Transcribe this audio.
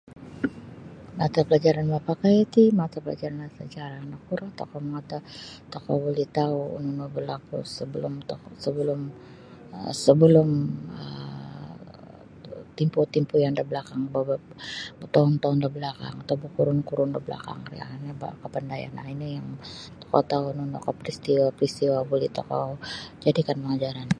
Mata pelajaran mapakai ti mata pelajaran sejarah nakuro tokou mongotoh tokou buli tau nunu berlaku sebelum tokou sebelum sebelum timpoh-timpoh botoun-toun da belakang atau bakurun-kurun da belakang kapandayan ino yang tokou tau nunukah peristiwa-peristiwa yang majadi da pelajaran.